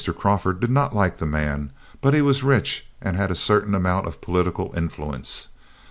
Crawford did not like the man, but he was rich and had a certain amount of political influence.